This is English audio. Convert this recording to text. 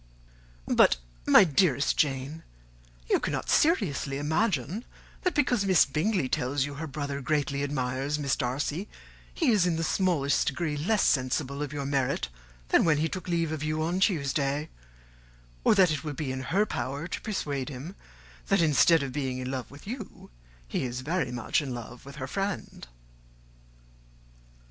But, my dearest Jane, you cannot seriously imagine that, because Miss Bingley tells you her brother greatly admires Miss Darcy, he is in the smallest degree less sensible of your merit than when he took leave of you on Tuesday; or that it will be in her power to persuade him that, instead of being in love with you, he is very much in love with her friend."